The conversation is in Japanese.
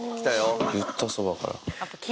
言ったそばから。